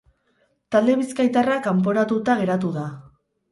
Talde bizkaitarra kanporatuta geratu da.